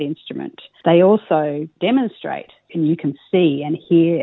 dan mendengar bagaimana mereka melakukannya